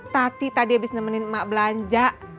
tati tadi abis nemenin mak belanja